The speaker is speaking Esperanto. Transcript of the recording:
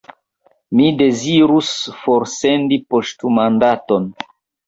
Mi dezirus forsendi poŝtmandaton.